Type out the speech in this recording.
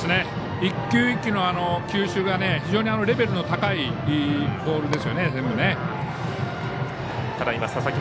一球一球の球種が非常にレベルの高いボールですね。